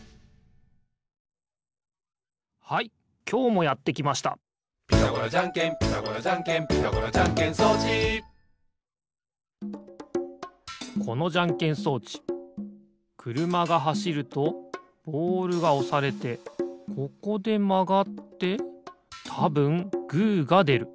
はいきょうもやってきました「ピタゴラじゃんけんピタゴラじゃんけん」「ピタゴラじゃんけん装置」このじゃんけん装置くるまがはしるとボールがおされてここでまがってたぶんグーがでる。